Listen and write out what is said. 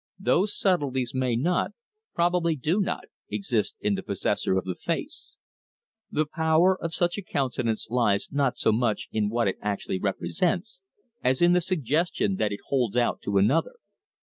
Those subtleties may not, probably do not, exist in the possessor of the face. The power of such a countenance lies not so much in what it actually represents, as in the suggestion it holds out to another.